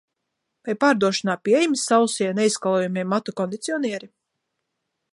Vai pārdošanā pieejami sausie, neizskalojamie matu kondicionieri?